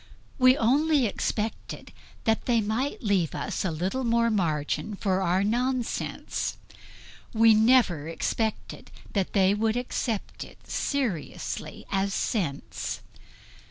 We only expected that they might leave us a little more margin for our nonsense; we never expected that they would accept it seriously as sense.